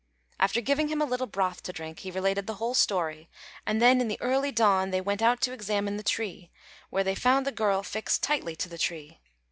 After giving him a little broth to drink, he related the whole story; and then in the early dawn they went out to examine the tree, where they found the girl fixed tightly to the tree.